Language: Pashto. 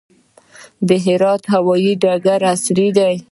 د هرات هوايي ډګر عصري دی